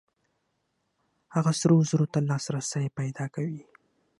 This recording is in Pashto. هغه سرو زرو ته لاسرسی پیدا کوي.